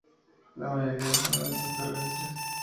La mayoría son de hábitos terrestres.